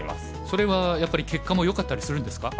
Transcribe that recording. それはやっぱり結果もよかったりするんですか？